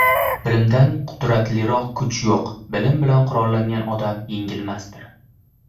Bilimdan qudratliroq kuch yo‘q; bilim bilan qurollangan odam yengilmasdir.